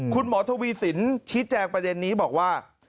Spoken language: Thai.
คุณหมอทวีสินชี้แจงประเด็นนี้บอกว่า